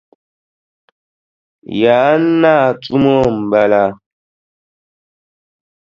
Yaan naa tumo m-bala.